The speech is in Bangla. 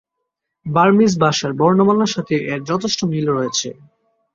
বার্মিজ ভাষার বর্ণমালার সাথে এর যথেষ্ট মিল রয়েছে।